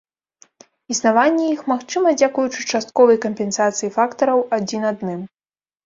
Існаванне іх магчыма дзякуючы частковай кампенсацыі фактараў адзін адным.